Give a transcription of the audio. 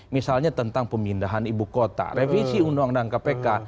misalnya tentang pemindahan ibu kota revisi undang undang kpk